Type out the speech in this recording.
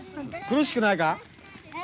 苦しくない？